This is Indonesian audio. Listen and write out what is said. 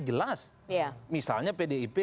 jelas misalnya pdip